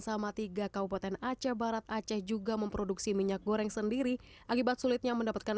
sama tiga kabupaten aceh barat aceh juga memproduksi minyak goreng sendiri akibat sulitnya mendapatkan